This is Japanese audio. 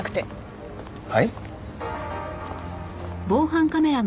はい？